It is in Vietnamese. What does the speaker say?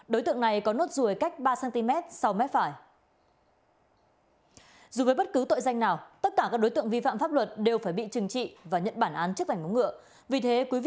đối tượng này có nốt ruồi cách ba cm sau mép phải